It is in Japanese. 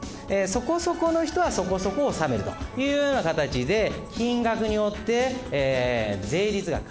そこそこの人はそこそこ納めるというような形で金額によって税率が。